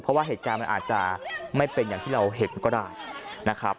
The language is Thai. เพราะว่าเหตุการณ์มันอาจจะไม่เป็นอย่างที่เราเห็นก็ได้นะครับ